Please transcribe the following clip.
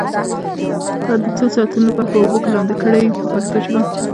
دا د څو ساعتونو لپاره په اوبو کې لامده کړئ په پښتو ژبه.